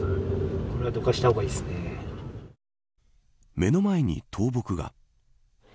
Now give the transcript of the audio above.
目の前に倒木が。